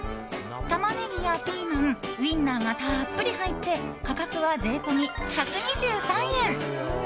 タマネギやピーマンウインナーがたっぷり入って価格は税込み１２３円。